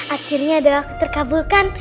akhirnya ada waktu terkabulkan